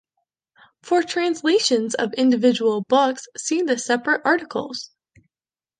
For translations of individual books, see the separate articles.